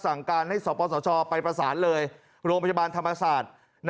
สั่งการให้สปสชไปประสานเลยโรงพยาบาลธรรมศาสตร์